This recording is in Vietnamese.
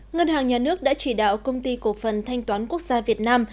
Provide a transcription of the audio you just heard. ngân hàng nhà nước đã chỉ đạo công ty cổ phần thanh toán quốc gia việt nam